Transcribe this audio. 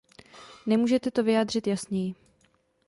Nemůžete to vyjádřit jasněji.